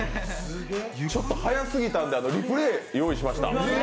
ちょっと早すぎたんで、リプレイ用意しました。